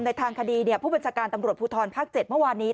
ในทางคดีผู้บัญชาการตำรวจภูทรภาค๗เมื่อวานนี้